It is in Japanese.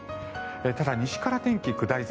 ただ、西から天気下り坂。